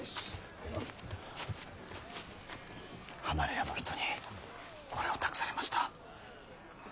離れ屋のお人にこれを託されました。